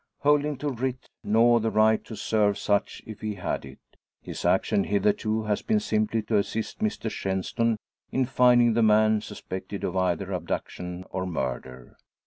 Holding no writ, nor the right to serve such if he had it, his action hitherto has been simply to assist Mr Shenstone in finding the man suspected of either abduction or murder.